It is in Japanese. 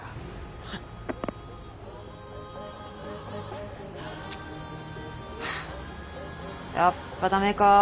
ふんっ！はあやっぱダメか。